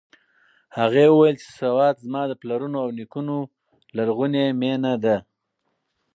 هغې وویل چې سوات زما د پلرونو او نیکونو لرغونې مېنه ده.